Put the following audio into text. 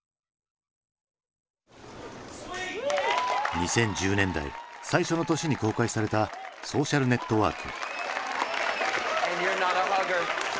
２０１０年代最初の年に公開された「ソーシャル・ネットワーク」。